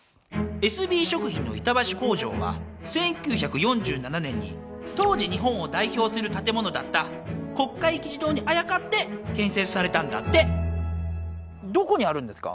エスビー食品の板橋工場は１９４７年に当時日本を代表する建物だった国会議事堂にあやかって建設されたんだってどこにあるんですか？